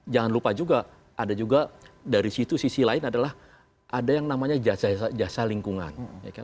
jangan lupa juga ada juga dari situ sisi lain adalah ada yang namanya jasa lingkungan